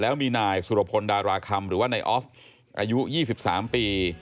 แล้วมีนายสุรพลดาราคำหรือว่านายออฟอายุ๒๓ปี